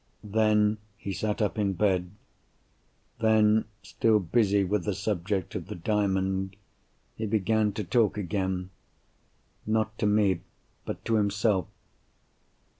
Then, he sat up in bed. Then, still busy with the subject of the Diamond, he began to talk again—not to me, but to himself.